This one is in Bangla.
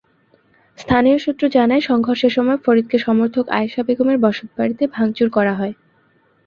স্থানীয় সূত্র জানায়, সংঘর্ষের সময় ফরিদের সমর্থক আয়েশা বেগমের বসতবাড়িতে ভাঙচুর করা হয়।